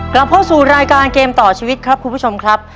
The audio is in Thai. กลับเข้าสู่รายการเกมต่อชีวิตครับคุณผู้ชมครับ